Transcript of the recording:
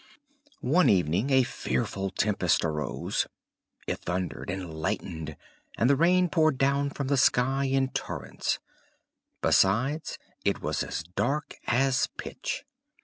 One evening a fearful tempest arose, it thundered and lightened, and the rain poured down from the sky in torrents: besides, it was as dark as pitch.